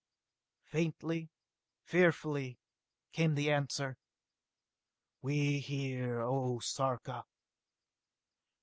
Faintly, fearfully, came the answer. "We hear, O Sarka!"